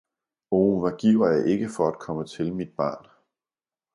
Oh, hvad giver jeg ikke for at komme til mit barn!